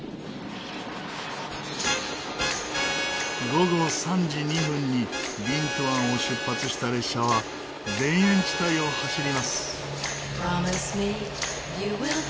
午後３時２分にビントゥアンを出発した列車は田園地帯を走ります。